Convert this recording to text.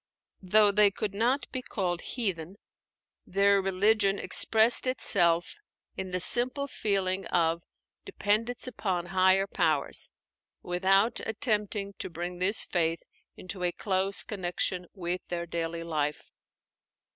Though they could not be called heathen, their religion expressed itself in the simple feeling of dependence upon higher powers, without attempting to bring this faith into a close connection with their daily life.